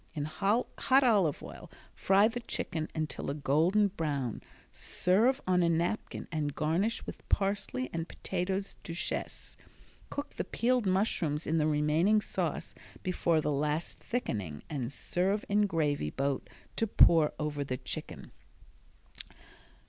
In hot olive oil fry the chicken until a golden brown. Serve on a napkin and garnish with parsley and potatoes Duchesse. Cook the peeled mushrooms in the remaining sauce before the last thickening, and serve in gravy boat to pour over the chicken.